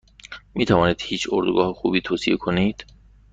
میتوانید هیچ اردوگاه خوبی توصیه کنید؟